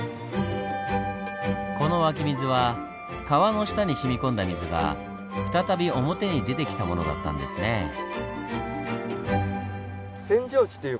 この湧き水は川の下にしみ込んだ水が再び表に出てきたものだったんですねぇ。